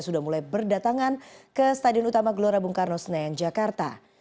sudah mulai berdatangan ke stadion utama gelora bung karno senayan jakarta